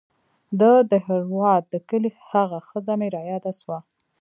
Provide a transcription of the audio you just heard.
د دهروات د کلي هغه ښځه مې راياده سوه.